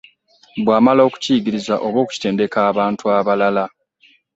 Bw'amala okukiyigiriza oba okukitendeka abantu abalala.